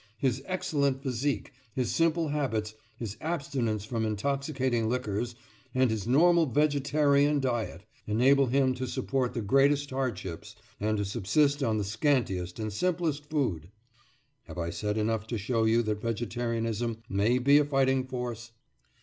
His excellent physique, his simple habits, his abstinence from intoxicating liquors, and his normal vegetarian diet, enable him to support the greatest hardships, and to subsist on the scantiest and simplest food." Have I said enough to show you that vegetarianism may be a fighting force?